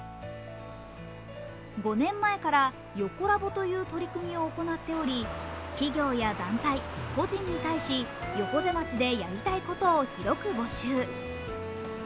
５年前から、よこらぼという取り組みを行っており、企業や団体、個人に対し、横瀬町でやりたいことを広く募集。